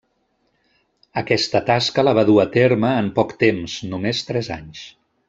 Aquesta tasca la va dur a terme en poc temps, només tres anys.